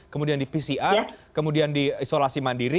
kemudian di pcr kemudian di isolasi mandiri